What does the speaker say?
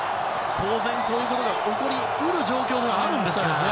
当然、こういうことが起こり得る状況があるんですね。